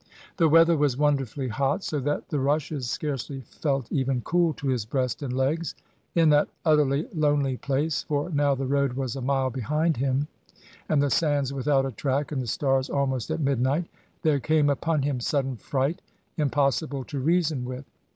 The weather was wonderfully hot, so that the rushes scarcely felt even cool to his breast and legs. In that utterly lonely place (for now the road was a mile behind him, and the sands without a track, and the stars almost at midnight), there came upon him sudden fright, impossible to reason with.